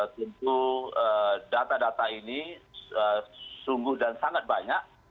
tentu data data ini sungguh dan sangat banyak